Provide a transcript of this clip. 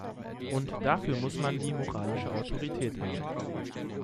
Und dafür muss man die moralische Autorität haben.